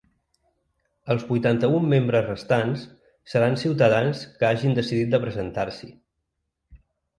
Els vuitanta-un membres restants seran ciutadans que hagin decidit de presentar-s’hi.